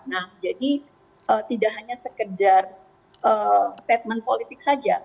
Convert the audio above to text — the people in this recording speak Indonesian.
nah jadi tidak hanya sekedar statement politik saja